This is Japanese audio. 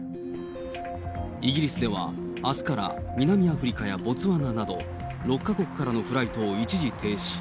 イギリスではあすから、南アフリカやボツワナなど、６か国からのフライトを一時停止。